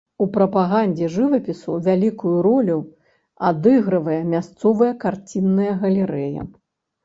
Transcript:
У прапагандзе жывапісу вялікую ролю адыгрывае мясцовая карцінная галерэя.